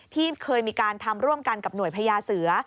ที่เคยมีการทำร่วมกันกับหน่วยพญาเสือ